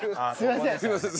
すいません。